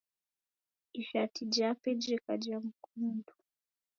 Ishati jape jeka ja mkundu.